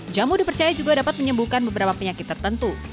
jamu dipercaya juga dapat menyembuhkan beberapa penyakit tertentu